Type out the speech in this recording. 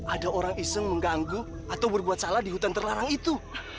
ada orang iseng mengganggu atau berbuat salah di hutan terlarang itu